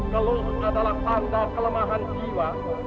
keluh adalah tanda kelemahan jiwa